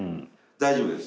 大丈夫です。